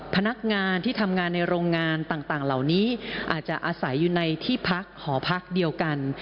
พนักงานที่ทำงานในโรงงานต่างเหล่านี้อาจจะอาศัยอยู่ในที่พักหอพักเดียวกัน